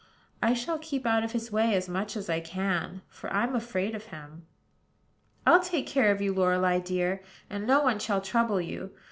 I shall keep out of his way as much as I can; for I'm afraid of him." "I'll take care of you, Lorelei dear; and no one shall trouble you.